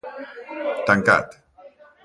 Tancat.